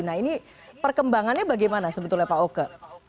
nah ini perkembangannya bagaimana sebetulnya pak oke